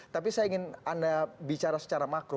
tapi saya ingin anda bicara secara makro